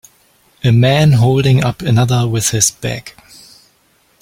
A man holding up another with his back.